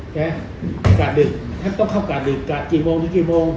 ใช่ไหมกะดึกท่านต้องเข้ากะดึกกะกี่โมงถึงกี่โมง